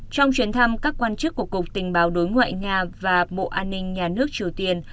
trong chuyến thăm các quan chức của cục tình báo đối ngoại nga và bộ an ninh nhà nước triều tiên